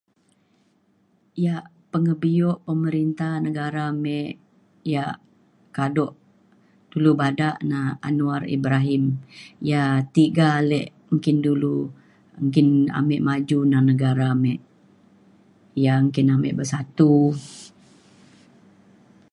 yak pengebio pemerinta negara me yak kado kelu bada na Anwar Ibrahim. ia’ tiga ale menggin dulu menggin ame maju na negara me. ia’ menggin ame bersatu.